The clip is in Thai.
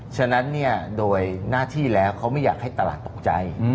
ฉะนั้นโดยหน้าที่แล้วเขาไม่อยากให้ตลาดตกใจ